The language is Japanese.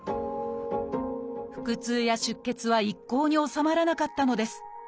腹痛や出血は一向に治まらなかったのです。